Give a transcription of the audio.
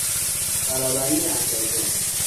برابری اندازه